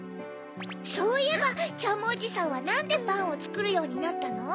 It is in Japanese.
そういえばジャムおじさんはなんでパンをつくるようになったの？